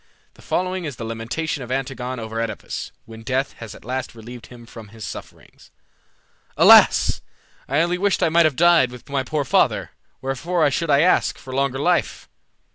The following is the lamentation of Antigone over OEdipus, when death has at last relieved him from his sufferings: "Alas! I only wished I might have died With my poor father; wherefore should I ask For longer life?